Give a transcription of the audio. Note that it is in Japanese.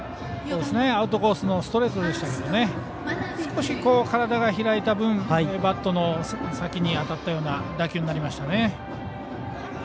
アウトコースのストレートでしたが少し体が開いた分バットの先に当たったような打球になりましたね。